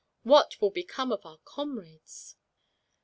What will become of our comrades?"